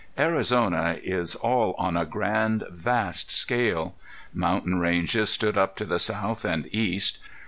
Arizona is all on a grand, vast scale. Mountain ranges stood up to the south and east.